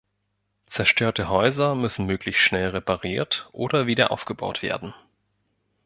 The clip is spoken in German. Zerstörte Häuser müssen möglichst schnell repariert oder wieder aufgebaut werden.